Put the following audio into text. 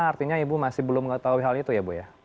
artinya ibu masih belum mengetahui hal itu ya bu ya